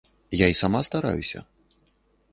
Я й сама стараюся.